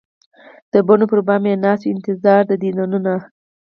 د بڼو پر بام یې ناست وي انتظار د دیدنونه